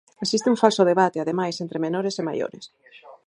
Existe un falso debate, ademais, entre menores e maiores.